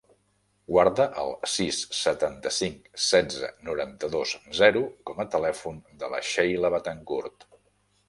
Guarda el sis, setanta-cinc, setze, noranta-dos, zero com a telèfon de la Sheila Betancourt.